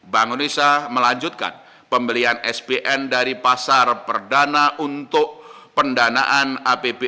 bank indonesia melanjutkan pembelian spn dari pasar perdana untuk pendanaan apbn